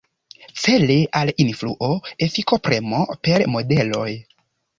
Cele al influo, efiko, premo per modeloj.